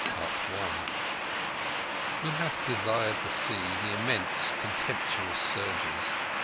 CHAPTER XIII Who hath desired the Sea—the immense and contemptuous surges?